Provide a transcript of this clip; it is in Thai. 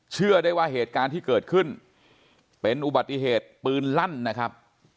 เชื่อได้ว่าเหตุการณ์ที่เกิดขึ้นเป็นอุบัติเหตุปืนลั่นนะครับ